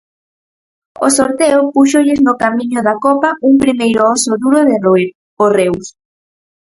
O sorteo púxolles no camiño da Copa un primeiro oso duro de roer: o Reus.